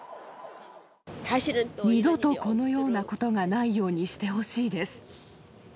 二度とこのようなことがないようにしてほしいです。